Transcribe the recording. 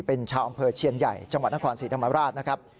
เป็นชาวอำเภอเชียนใหญ่จังหวัดนครศรีธรรมราชนะครับ